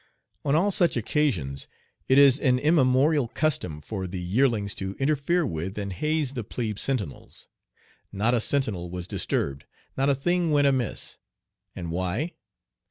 On all such occasions it is an immemorial custom for the yearlings to interfere with and haze the plebe sentinels. Not a sentinel was disturbed, not a thing went amiss, and why?